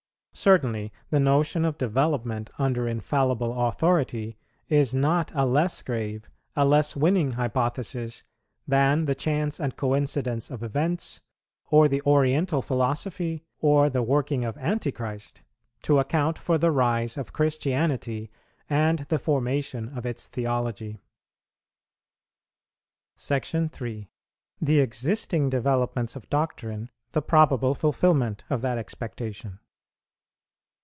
Certainly the notion of development under infallible authority is not a less grave, a less winning hypothesis, than the chance and coincidence of events, or the Oriental Philosophy, or the working of Antichrist, to account for the rise of Christianity and the formation of its theology. SECTION III. THE EXISTING DEVELOPMENTS OF DOCTRINE THE PROBABLE FULFILMENT OF THAT EXPECTATION.